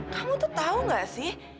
kamu tuh tahu gak sih